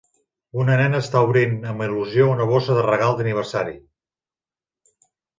Una nena està obrint amb il·lusió una bossa de regal d'aniversari